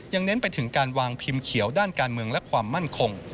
เน้นไปถึงการวางพิมพ์เขียวด้านการเมืองและความมั่นคง